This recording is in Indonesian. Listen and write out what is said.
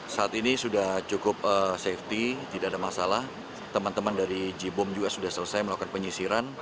saat ini sudah cukup safety tidak ada masalah teman teman dari j bom juga sudah selesai melakukan penyisiran